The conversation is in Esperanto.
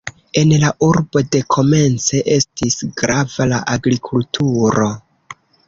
En la urbo dekomence estis grava la agrikulturo.